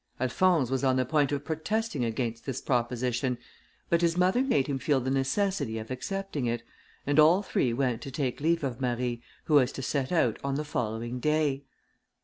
Alphonse was on the point of protesting against this proposition, but his mother made him feel the necessity of accepting it, and all three went to take leave of Marie, who was to set out on the following day.